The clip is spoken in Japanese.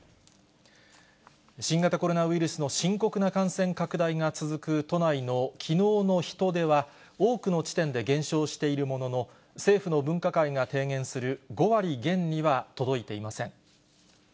新型コロナウイルスの深刻な感染拡大が続く都内のきのうの人出は、多くの地点で減少しているものの政府の分科会が提言する５割減には届いていません。